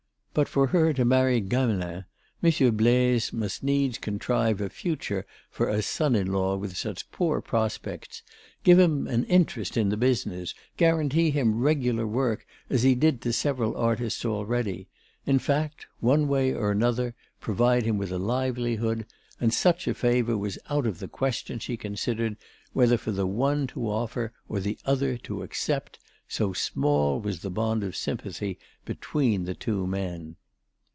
But for her to marry Gamelin, Monsieur Blaise must needs contrive a future for a son in law with such poor prospects, give him an interest in the business, guarantee him regular work as he did to several artists already in fact, one way or another, provide him with a livelihood; and such a favour was out of the question, she considered, whether for the one to offer or the other to accept, so small was the bond of sympathy between the two men.